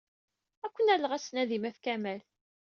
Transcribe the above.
Ad ken-alleɣ ad tnadim ɣef Kamal.